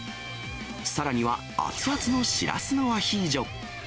さらには、熱々のシラスのアヒージョ。